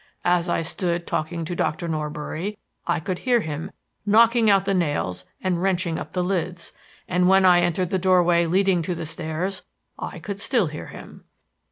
As I stood talking to Doctor Norbury, I could hear him knocking out the nails and wrenching up the lids; and when I entered the doorway leading to the stairs, I could still hear him.